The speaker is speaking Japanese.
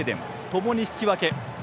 ともに引き分け。